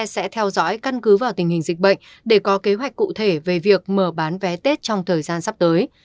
sẽ theo dõi căn cứ vào tình hình dịch bệnh để có kế hoạch cụ thể về việc mở bán vé tết trong thời gian sắp tới